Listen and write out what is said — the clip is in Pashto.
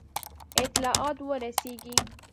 اطلاعات ورسیږي.